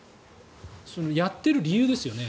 やっている理由ですよね。